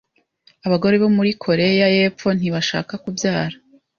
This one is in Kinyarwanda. Abagore bo muri Koreya y'epfo ntibashaka kubyara